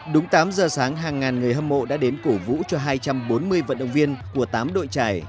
đúng tám giờ sáng hàng ngàn người hâm mộ đã đến cổ vũ cho hai trăm bốn mươi vận động viên của tám đội trải